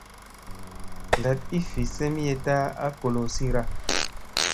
Ndat i vi semiyetta a golozira.